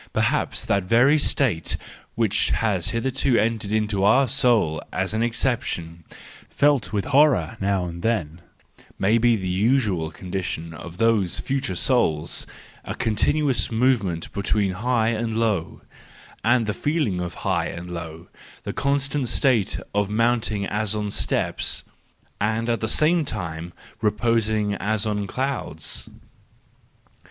Perhaps that very state which has hitherto entered into our soul as an exception, felt with horror now and then, may be the usual con¬ dition of those future souls : a continuous movement between high and low, and the feeling of high and low, a constant state of mounting as on steps, and at the same time reposing as on clouds.